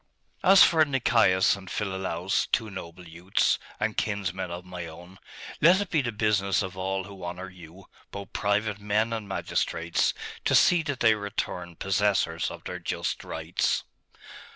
'As for Nicaeus and Philolaus, two noble youths, and kinsmen of my own, let it be the business of all who honour you, both private men and magistrates, to see that they return possessors of their just rights.